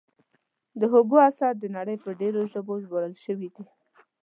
د هوګو اثار د نړۍ په ډېرو ژبو ژباړل شوي دي.